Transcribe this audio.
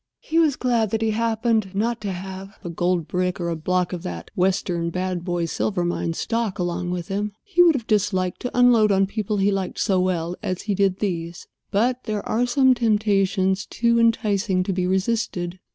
He was glad that he happened not to have a gold brick or a block of that western Bad Boy Silver Mine stock along with him. He would have disliked to unload on people he liked so well as he did these; but there are some temptations toe enticing to be resisted.